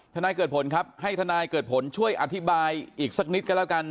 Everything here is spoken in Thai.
นายเกิดผลครับให้ทนายเกิดผลช่วยอธิบายอีกสักนิดก็แล้วกัน